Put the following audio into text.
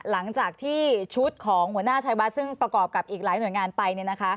หลังจากที่ชุดของหัวหน้าชัยวัดซึ่งประกอบกับอีกหลายหน่วยงานไป